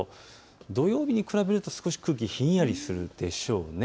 土曜日に比べると少し空気がひんやりするでしょう。